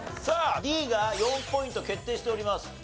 さあＤが４ポイント決定しております。